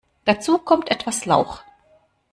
Dazu kommt etwas Lauch.